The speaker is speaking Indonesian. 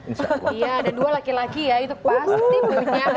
iya ada dua laki laki ya itu pasti punya kesibukannya lebih padat lagi